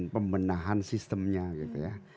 pembenahan sistemnya gitu ya